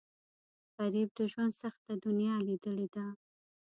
غریب د ژوند سخته دنیا لیدلې ده